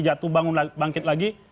jatuh bangun bangkit lagi